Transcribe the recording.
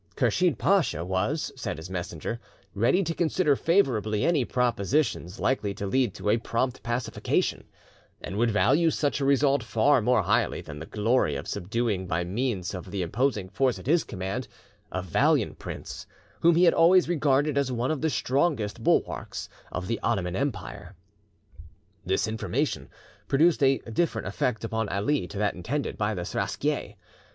Kursheed Pacha was, said his messenger, ready to consider favourably any propositions likely to lead to a prompt pacification, and would value such a result far more highly than the glory of subduing by means of the imposing force at his command, a valiant prince whom he had always regarded as one of the strongest bulwarks of the Ottoman Empire. This information produced a different effect upon Ali to that intended by the Seraskier.